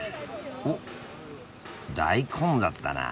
おっ大混雑だな。